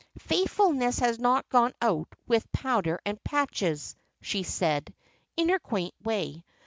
"Faithfulness has not gone out with powder and patches," she said, in her quaint way.